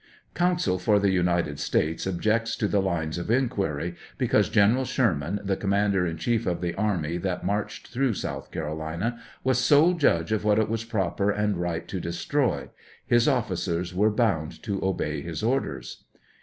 [Counsel for the United States objects to this line of inquiry, because General Sherman, the Commander in Chief of the army that marched through South Caro lina, was sole judge of what it was proper and right to destroy ; his ofBcers were bound to obey his orders.